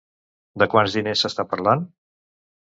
De quants diners s'està parlant?